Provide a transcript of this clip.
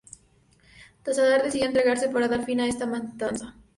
Tassadar decidió entregarse para dar fin a esta matanza.